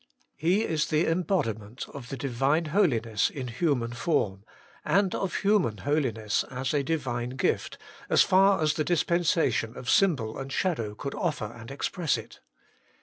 He is the embodiment of the Divine Holiness in human form, and of human holiness as a Divine gift, as far as the dispensation of symbol and shadow could offer and express it.